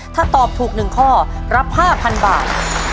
ถ้าตอบถูกหนึ่งข้อรับห้าพันบาท